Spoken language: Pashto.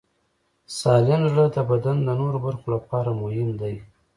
سالم زړه د بدن د نورو برخو لپاره مهم دی.